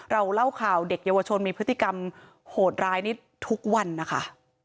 เราเล่าข่าวเด็กเยาวชนมีพฤติกรรมโหดร้ายนี่ทุกวันนะคะ